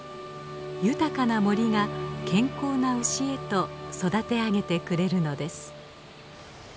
豊かな森が健康な牛へと育てあげてくれるのです。